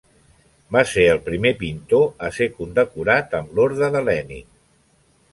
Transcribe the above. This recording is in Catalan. Va ser el primer pintor a ser condecorat amb l'orde de Lenin.